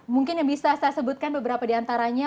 mungkin yang bisa saya sebutkan beberapa diantaranya